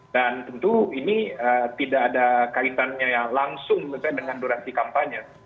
dan tentu ini tidak ada kaitannya yang langsung dengan durasi kampanye